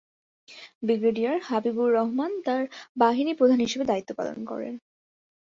Brigadier Habibur Rahman তার বাহিনী প্রধান হিসাবে দায়িত্ব পালন করেন।